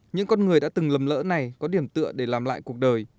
những con người đã từng lầm lỡ này có điểm tựa để làm lại cuộc đời